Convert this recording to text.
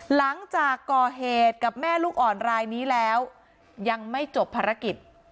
หลังจากก่อเหตุกับแม่ลูกอ่อนรายนี้แล้วยังไม่จบภารกิจ